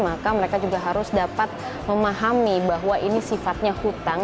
maka mereka juga harus dapat memahami bahwa ini sifatnya hutang